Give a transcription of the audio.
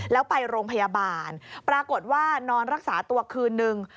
แล้วไปโรงพยาบาลปรากฏว่านอนรักษาตัวคืนนึง